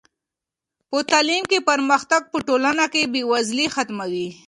په تعلیم کې پرمختګ په ټولنه کې بې وزلي ختموي.